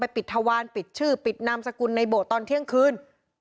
ปิดทวารปิดชื่อปิดนามสกุลในโบสถ์ตอนเที่ยงคืน